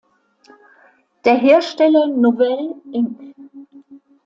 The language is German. Der Hersteller Novell Inc.